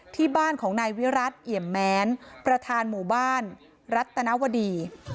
ที่บ้านของนายวิรัติเอี่ยมแม้นประธานหมู่บ้านรัตนวดี